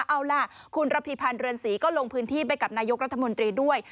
เอาล่ะคุณระพีพันธ์เรือนศรีก็ลงพื้นที่ไปกับนายกรัฐมนตรีด้วย